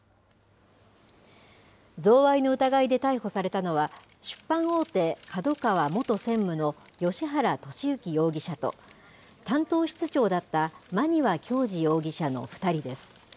贈賄の疑いで逮捕されたのは、出版大手、ＫＡＤＯＫＡＷＡ元専務の芳原世幸容疑者と、担当室長だった馬庭教二容疑者の２人です。